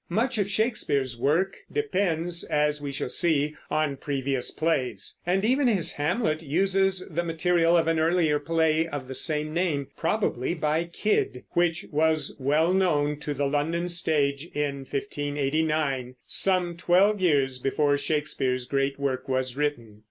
Much of Shakespeare's work depends, as we shall see, on previous plays; and even his Hamlet uses the material of an earlier play of the same name, probably by Kyd, which was well known to the London stage in 1589, some twelve years before Shakespeare's great work was written.